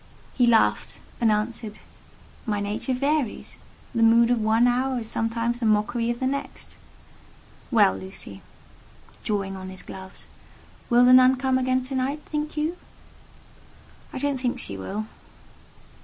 He laughed, and answered, "My nature varies: the mood of one hour is sometimes the mockery of the next. Well, Lucy" (drawing on his gloves), "will the Nun come again to night, think you?" "I don't think she will."